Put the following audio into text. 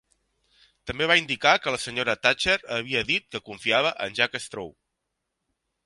També va indicar que la senyora Thatcher havia dit que confiava en Jack Straw.